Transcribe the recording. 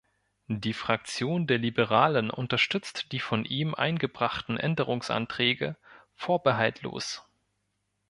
Die Fraktion der Liberalen unterstützt die von ihm eingebrachten Änderungsanträge vorbehaltlos.